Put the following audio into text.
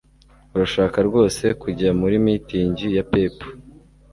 Urashaka rwose kujya muri mitingi ya pep